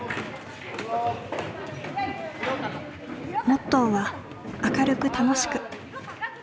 モットーは「明るく楽しく」。